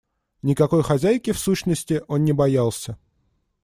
Никакой хозяйки, в сущности, он не боялся.